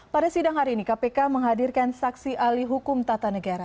pada sidang hari ini kpk menghadirkan saksi ahli hukum tata negara